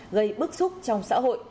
gây bức xúc trong xã hội